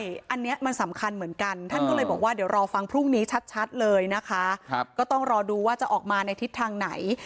ใช่อันนี้มันสำคัญเหมือนกันท่านก็เลยบอกว่าเดี๋ยวรอฟังพรุ่งนี้ชัดเลยนะคะ